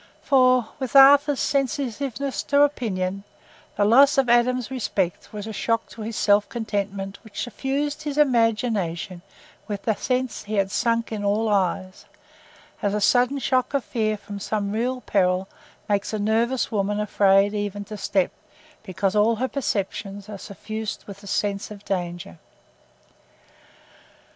For, with Arthur's sensitiveness to opinion, the loss of Adam's respect was a shock to his self contentment which suffused his imagination with the sense that he had sunk in all eyes—as a sudden shock of fear from some real peril makes a nervous woman afraid even to step, because all her perceptions are suffused with a sense of danger.